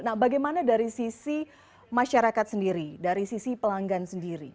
nah bagaimana dari sisi masyarakat sendiri dari sisi pelanggan sendiri